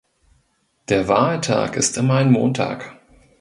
Der Wahltag ist immer ein Montag.